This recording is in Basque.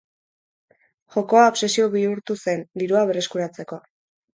Jokoa obsesio bihurtu zen dirua berreskuratzeko.